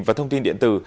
và thông tin điện tử